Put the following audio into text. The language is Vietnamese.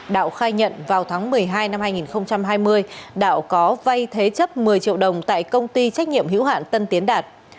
đạo khai nhận vào tháng một mươi hai năm hai nghìn hai mươi đạo có vay thế chấp một mươi triệu đồng tại công ty trách nhiệm hữu hạn tân tiến đạt